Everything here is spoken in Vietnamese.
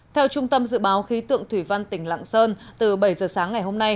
theo trung tâm dự báo khí tượng thủy văn tỉnh lạng sơn từ bảy giờ sáng ngày hôm nay